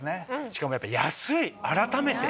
しかもやっぱ安い改めて。